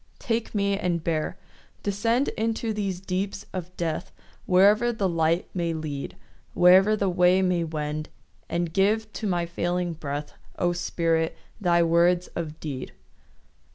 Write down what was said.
Take me and bear. Descend Into these deeps of death, Wherever the light may lead, Wherever the way may wend; And give to my failing breath, O Spirit, thy words of deed.